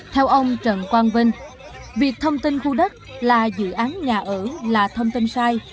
theo ông trần quang vinh việc thông tin khu đất là dự án nhà ở là thông tin sai